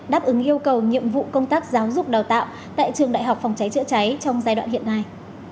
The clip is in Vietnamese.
đáp ứng yêu cầu nhiệm vụ công tác giáo dục đào tạo tại trường đại học phòng cháy chữa cháy trong giai đoạn hiện nay